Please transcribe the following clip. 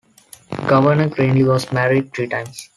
Governor Greenly was married three times.